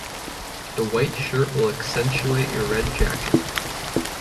The white shirt will accentuate your red jacket.